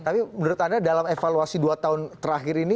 tapi menurut anda dalam evaluasi dua tahun terakhir ini